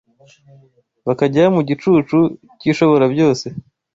bakajya mu gicucu cy’Ishoborabyose,